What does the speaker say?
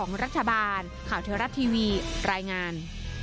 ของรัฐบาลข่าวเที่ยวรับทีวีรายงาน